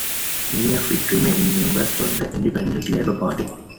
Many of its remaining members joined the Independent Labour Party.